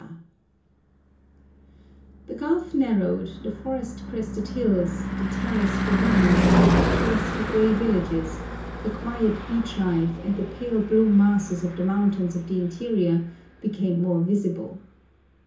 [Picture: Fujisan] The gulf narrowed, the forest crested hills, the terraced ravines, the picturesque grey villages, the quiet beach life, and the pale blue masses of the mountains of the interior, became more visible.